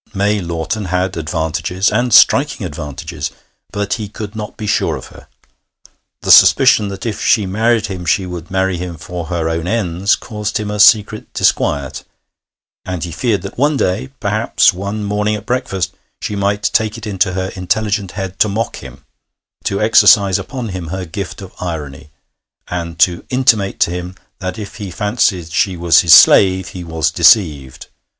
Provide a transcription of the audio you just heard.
May Lawton had advantages, and striking advantages, but he could not be sure of her. The suspicion that if she married him she would marry him for her own ends caused him a secret disquiet, and he feared that one day, perhaps one morning at breakfast, she might take it into her intelligent head to mock him, to exercise upon him her gift of irony, and to intimate to him that if he fancied she was his slave he was deceived.